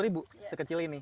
lima ribu sekecil ini